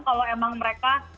kalau emang mereka